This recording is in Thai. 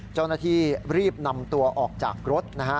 เจ้าหน้าที่รีบนำตัวออกจากรถนะฮะ